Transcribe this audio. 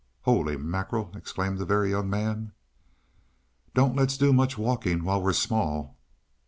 "Holy mackerel!" exclaimed the Very Young Man. "Don't let's do much walking while we're small."